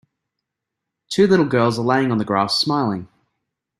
Two little girls are laying on the grass smiling.